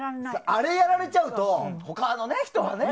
あれやられちゃうと他の人はね。